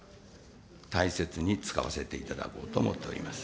大切に使わせていただこうと思っております。